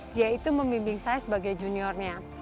dia itu membimbing saya sebagai juniornya